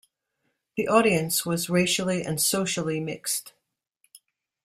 The audience was racially and socially mixed.